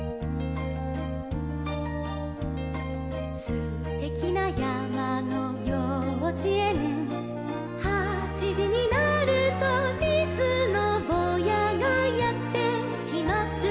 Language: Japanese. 「すてきなやまのようちえん」「はちじになると」「リスのぼうやがやってきます」